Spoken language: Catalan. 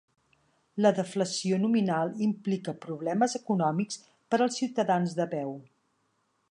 La deflació nominal implica problemes econòmics per als ciutadans de peu.